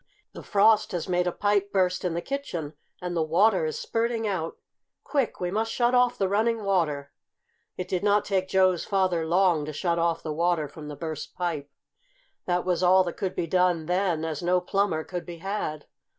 The frost has made a pipe burst in the kitchen and the water is spurting out! Quick! We must shut off the running water!" It did not take Joe's father long to shut off the water from the burst pipe. That was all that could be done then, as no plumber could be had.